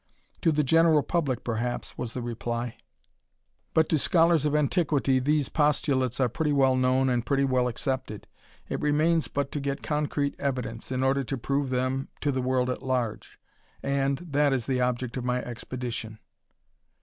"To the general public, perhaps," was the reply. "But to scholars of antiquity, these postulates are pretty well known and pretty well accepted. It remains but to get concrete evidence, in order to prove them to the world at large and that is the object of my expedition."